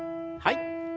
はい。